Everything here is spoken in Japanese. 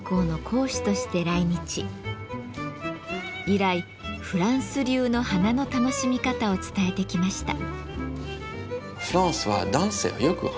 以来フランス流の花の楽しみ方を伝えてきました。